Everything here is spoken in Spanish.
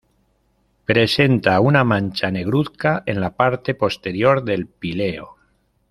Presenta una mancha negruzca en la parte posterior del píleo.